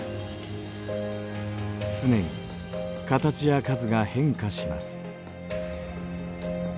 常に形や数が変化します。